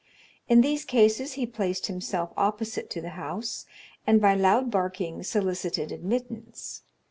In these cases he placed himself opposite to the house, and by loud barking solicited admittance.